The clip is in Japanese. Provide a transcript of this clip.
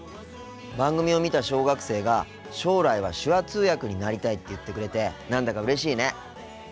番組を見た小学生が将来は手話通訳になりたいって言ってくれて何だかうれしいね。